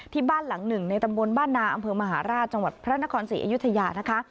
ที่บ้านหลังหนึ่งในตำบลบ้านนาอำเภอมหาราชจังหวัดพระนครศรีอยุธยานะคะ